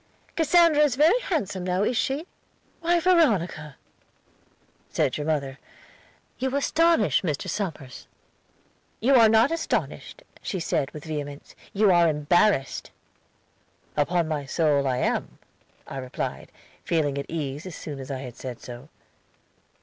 "'Cassandra is very handsome now, is she?' "'Why, Veronica,' said your mother, 'you astonish Mr. Somers.' "'You are not astonished,' she said with vehemence, 'you are embarrassed.' "'Upon my soul I am,' I replied, feeling at ease as soon as I had said so.